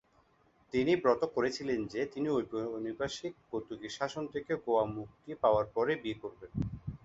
তিনি ব্রত করেছিলেন যে তিনি ঔপনিবেশিক পর্তুগিজ শাসন থেকে গোয়া মুক্তি পাওয়ার পরেই বিয়ে করবেন।